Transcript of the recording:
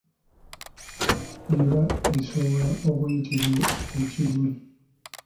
Eba esobola okuyitibwa ekiguli.